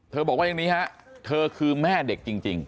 บอกว่าอย่างนี้ฮะเธอคือแม่เด็กจริง